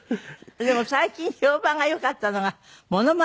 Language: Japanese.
でも最近評判が良かったのがモノマネ落語。